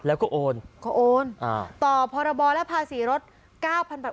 แล้วก็โอนก็โอนอ่าต่อพรบและภาษีรถเก้าพันบาท